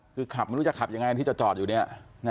คือขับไม่รู้จะขับยังไงที่จะจอดอยู่เนี่ย